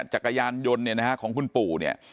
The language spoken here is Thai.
จักรยานยนต์เนี่ยนะฮะของคุณปู่เนี่ย